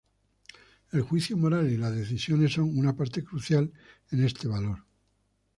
El juicio moral y las decisiones son una parte crucial en este valor.